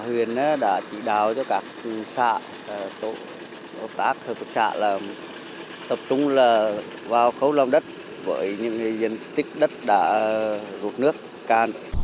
huyện đã chỉ đào cho các xã tổ tác thực xã tập trung vào khấu lòng đất với những diện tích đất đã rụt nước can